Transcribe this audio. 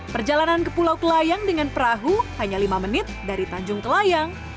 perjalanan ke pulau kelayang dengan perahu hanya lima menit dari tanjung kelayang